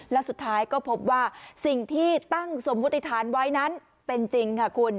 และสุดท้ายก็พบว่าสิ่งที่ตั้งสมมุติฐานไว้นั้นเป็นจริงค่ะคุณ